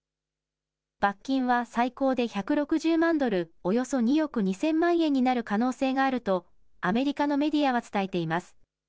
罰金は最高で１６０万ドル、およそ２億２０００万円になる可能性があるとアメリカのメディアは伝えています。